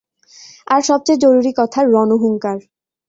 আর সবচেয়ে জরুরি কথা, রণহুঙ্কার!